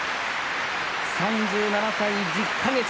３７歳１０か月。